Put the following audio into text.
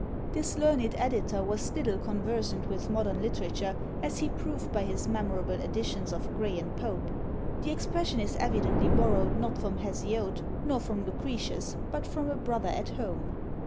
This learned editor was little conversant with modern literature, as he proved by his memorable editions of Gray and Pope. The expression is evidently borrowed not from Hesiod, nor from Lucretius, but from a brother at home.